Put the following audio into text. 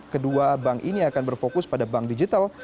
kedua bank ini akan berfokus pada bank digital